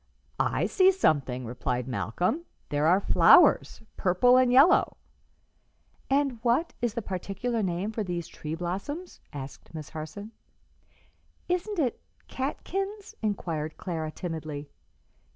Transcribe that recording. "I see something," replied Malcolm: "there are flowers purple and yellow." "And what is the particular name for these tree blossoms?" asked Miss Harson. "Isn't it catkins?" inquired Clara, timidly.